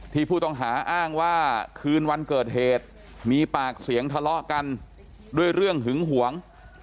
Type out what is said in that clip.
ผู้ต้องหาอ้างว่าคืนวันเกิดเหตุมีปากเสียงทะเลาะกันด้วยเรื่องหึงหวง